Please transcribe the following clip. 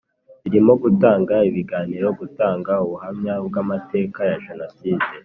birimo gutanga ibiganiro gutanga ubuhamya bw amateka ya Jenoside